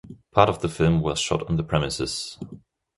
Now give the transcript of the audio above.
Part of the film was shot on the premises.